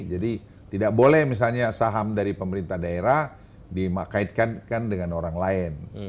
jadi tidak boleh misalnya saham dari pemerintah daerah dikaitkan dengan orang lain